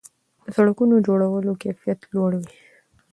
د سړکونو جوړولو کیفیت لوړ وي.